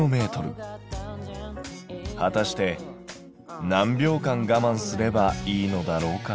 はたして何秒間がまんすればいいのだろうか。